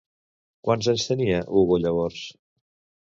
Quants anys tenia Hugo llavors?